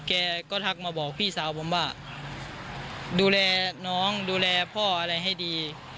แกก็ทักมาบอกพี่สาวผมว่าดูแลน้องดูแลพ่ออะไรให้ดี